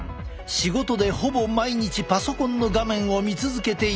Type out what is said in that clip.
仕事でほぼ毎日パソコンの画面を見続けているという。